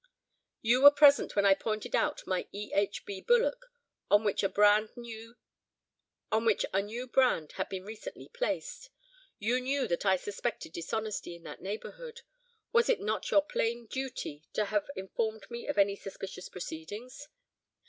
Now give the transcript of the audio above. "You were present when I pointed out my E. H. B. bullock, on which a new brand had been recently placed. You knew that I suspected dishonesty in that neighbourhood. Was it not your plain duty to have informed me of any suspicious proceedings?